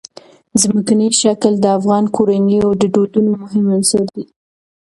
ځمکنی شکل د افغان کورنیو د دودونو مهم عنصر دی.